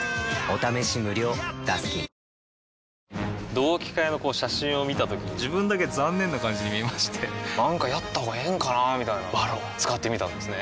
同期会の写真を見たときに自分だけ残念な感じに見えましてなんかやったほうがええんかなーみたいな「ＶＡＲＯＮ」使ってみたんですね